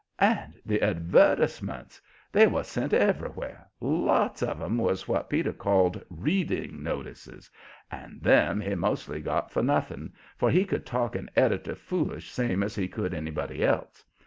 And the advertisements! They was sent everywheres. Lots of 'em was what Peter called "reading notices," and them he mostly got for nothing, for he could talk an editor foolish same as he could anybody else.